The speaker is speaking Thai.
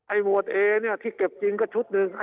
หมวดเอเนี่ยที่เก็บจริงก็ชุดหนึ่ง